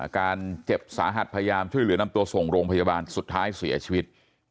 การเจ็บสาหัสพยายามช่วยเหลือนำตัวส่งโรงพยาบาลสุดท้ายเสียชีวิต